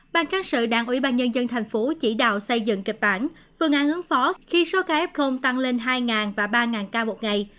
ban cát sự đảng ubnd tp chỉ đạo xây dựng kịch bản phương án ứng phó khi số ca f tăng lên hai và ba ca một ngày